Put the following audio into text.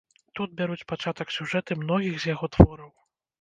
Тут бяруць пачатак сюжэты многіх з яго твораў.